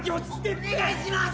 お願いします！